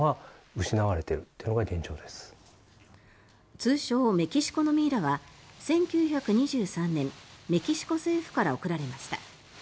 通称・メキシコのミイラは１９２３年メキシコ政府から贈られました。